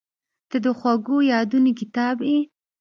• ته د خوږو یادونو کتاب یې.